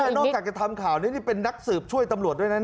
้อนพวกกลับจะทำข่าวแล้วเป็นนักสืบช่วยตำลวดด้วยนะ